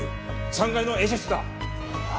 ３階の映写室だ！